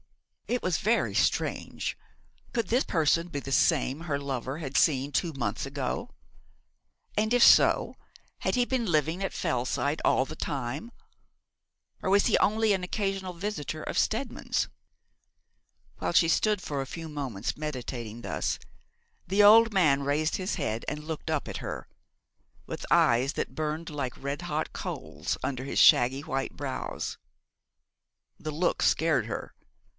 It was very strange. Could this person be the same her lover had seen two months ago? And, if so, had he been living at Fellside all the time; or was he only an occasional visitor of Steadman's? While she stood for a few moments meditating thus, the old man raised his head and looked up at her, with eyes that burned like red hot coals under his shaggy white brows. The look scared her.